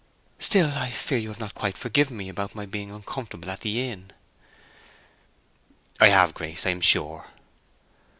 "Still—I fear you have not quite forgiven me about my being uncomfortable at the inn." "I have, Grace, I'm sure."